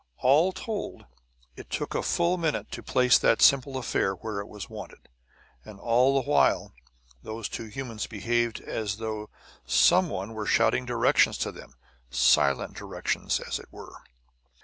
All told, it took a full minute to place that simple affair where it was wanted; and all the while those two humans behaved as though some one were shouting directions to them silent directions, as it were.